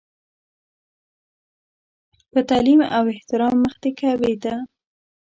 په تعلیم او احترام مخ د کعبې ته.